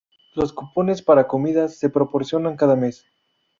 Los cupones para comida se proporcionan cada mes.